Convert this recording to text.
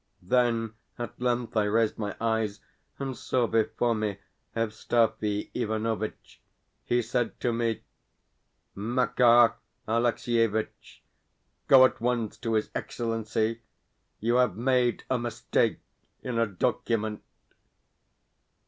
Then at length I raised my eyes, and saw before me Evstafi Ivanovitch. He said to me: "Makar Alexievitch, go at once to his Excellency. You have made a mistake in a document."